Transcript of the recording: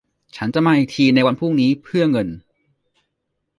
ฉันจะมาอีกทีในวันพรุ่งนี้เพื่อเงิน